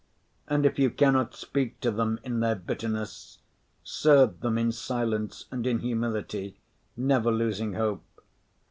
And if you cannot speak to them in their bitterness, serve them in silence and in humility, never losing hope.